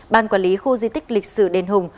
ban quản lý khu di tích lịch sử đền hùng